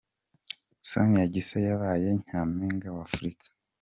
Sonia Gisa yabaye Nyampinga wa Afurika.